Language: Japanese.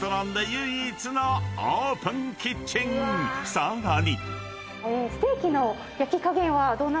［さらに］